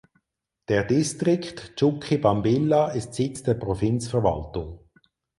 Der Distrikt Chuquibambilla ist Sitz der Provinzverwaltung.